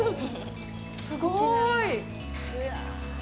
すごーい。